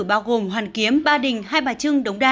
bao gồm hoàn kiếm ba đình hai bà trưng đống đa